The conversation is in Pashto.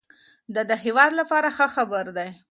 دا د هېواد لپاره ښه خبر دی